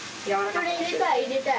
これ入れたい入れたい。